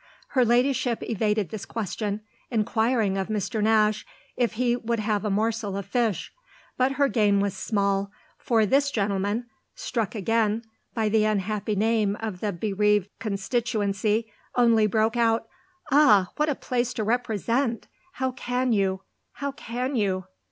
Her ladyship evaded this question, inquiring of Mr. Nash if he would have a morsel of fish; but her gain was small, for this gentleman, struck again by the unhappy name of the bereaved constituency, only broke out: "Ah what a place to represent! How can you how can you?"